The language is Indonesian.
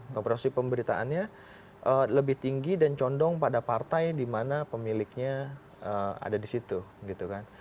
proporsi pemberitaannya lebih tinggi dan condong pada partai di mana pemiliknya ada di situ gitu kan